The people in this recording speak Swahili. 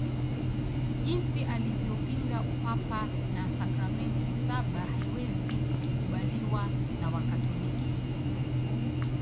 Jinsi alivyopinga Upapa na sakramenti saba haiwezi kukubaliwa na Wakatoliki